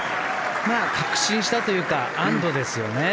まあ、確信したというか安どですよね。